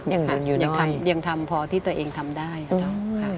ยังเหลินอยู่น้อยยังทำพอที่ตัวเองทำได้นะเจ้า